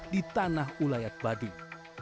di tanah ulayak baduy